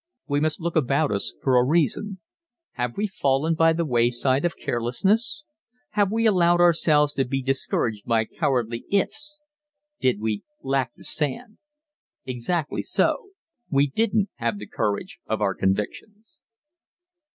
We must look about us for a reason. Have we fallen by the wayside of carelessness? Have we allowed ourselves to be discouraged by cowardly "ifs"? Did we lack the sand? Exactly so; we didn't have the courage of our convictions.